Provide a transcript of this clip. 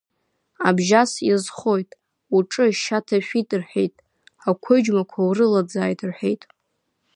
Абжьас иазхоит, уҿы ашьа ҭашәит рҳәеит, ақәыџьмақәа урылӡааит рҳәеит.